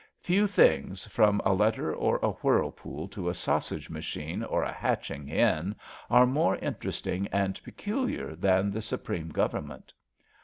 Few things, from a let ter or a whirlpool to a sausage machine or a hatch ing hen, are more interesting and peculiar than the Supreme Government.